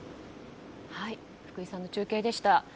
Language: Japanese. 福井さんの中継でした。